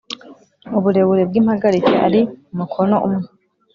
Uburebure bw impagarike ari mukono umwe